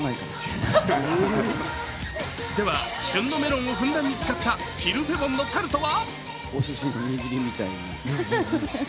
では、旬のメロンをふんだんに使ったキルフェボンのタルトは？